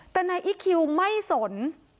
แต่นายอีคคิวไม่สน